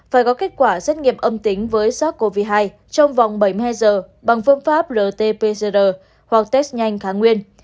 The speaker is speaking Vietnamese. phải có kết quả xét nghiệm âm tính với sars cov hai trong vòng bảy mươi hai giờ bằng phương pháp rt pgr hoặc test nhanh kháng nguyên